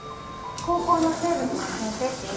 高校の生物の先生っていうから。